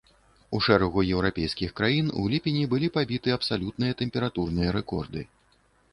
У шэрагу еўрапейскіх краін у ліпені былі пабіты абсалютныя тэмпературныя рэкорды.